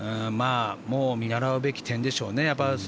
もう見習うべき点でしょうね。